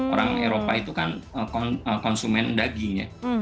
orang eropa itu kan konsumen daging ya